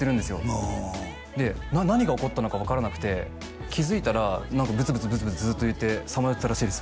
何が起こったのか分からなくて気づいたら何かブツブツブツブツずっと言ってさまよってたらしいです